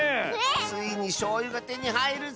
ついにしょうゆがてにはいるッス！